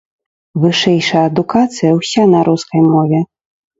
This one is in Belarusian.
Вышэйшая адукацыя ўся на рускай мове.